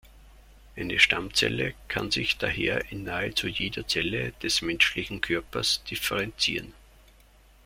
Eine Stammzelle kann sich daher in nahezu jede Zelle des menschlichen Körpers differenzieren.